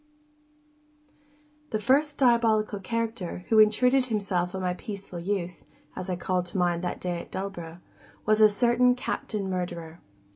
The first diabolical character who intruded himself on my peaceful youth (as I called to mind that day at Dullborough), was a certain Captain Murderer.